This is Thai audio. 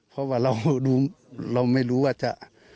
เพราะว่าเราไม่รู้ว่าจะ